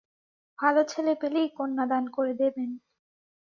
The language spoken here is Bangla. ভাল ছেলে পেলেই কন্যাদান করে দেবেন।